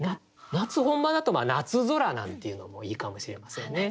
夏本番だと夏空なんていうのもいいかもしれませんね。